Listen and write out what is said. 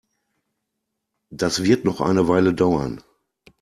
Das wird noch eine Weile dauern.